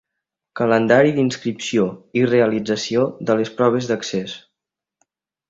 Calendari d'inscripció i realització de les proves d'accés.